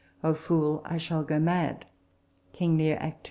O fool, I shall go mad /" King Lear, act ii.